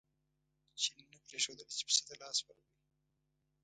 چیني نه پرېښودل چې پسه ته لاس ور وړي.